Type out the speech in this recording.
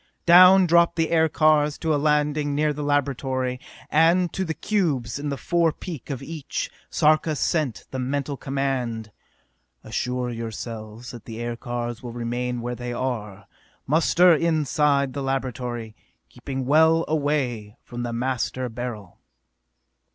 Down dropped the aircars to a landing near the laboratory, and to the cubes in the forepeak of each Sarka sent the mental command: "Assure yourselves that the aircars will remain where they are! Muster inside the laboratory, keeping well away from the Master Beryl!"